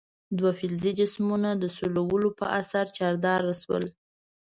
دوه فلزي جسمونه د سولولو په اثر چارجداره شول.